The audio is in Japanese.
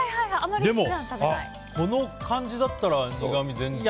でも、この感じだったら苦み、全然。